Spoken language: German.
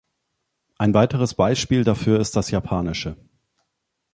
Ein weiteres Beispiel dafür ist das Japanische.